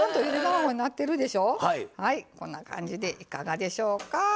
こんな感じでいかがでしょうか？